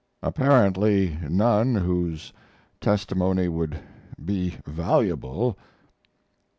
"Apparently none whose testimony would be valuable."